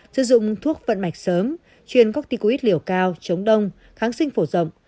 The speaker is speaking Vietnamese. sử dụng thuốc vận mạch sớm chuyên cácid liều cao chống đông kháng sinh phổ rộng